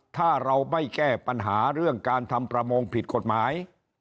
ถ้าเราไม่แก้ปัญหาเรื่องการทำประมงผิดกฎหมาย